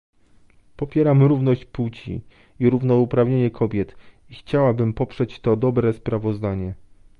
Popieram równość płci i równouprawnienie kobiet i chciałabym poprzeć to dobre sprawozdanie